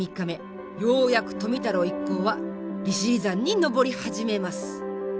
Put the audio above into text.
ようやく富太郎一行は利尻山に登り始めます。